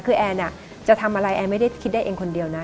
คือแอนจะทำอะไรแอนไม่ได้คิดได้เองคนเดียวนะ